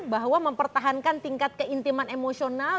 bahwa mempertahankan tingkat keintiman emosional